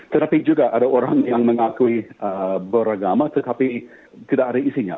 tetapi juga ada orang yang mengakui beragama tetapi tidak ada isinya